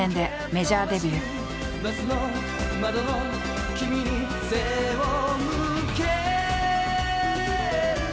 「バスの窓の君に背を向ける」